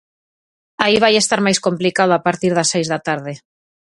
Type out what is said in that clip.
Aí vai estar máis complicado a partir das seis da tarde.